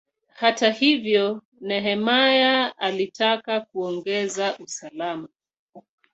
Hata hivyo, Nehemia alitaka kuongeza usalama.